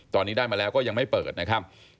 ตอนนี้ได้มาแล้วก็ยังไม่เปิดนะครับ